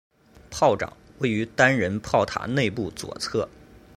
炮长位于单人炮塔内部左侧。